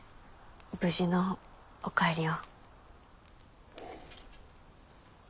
無事のお帰りを。